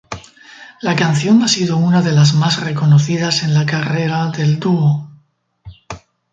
La canción ha sido una de las más reconocidas en la carrera del dúo.